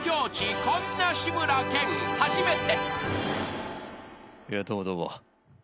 ［こんな志村けん初めて］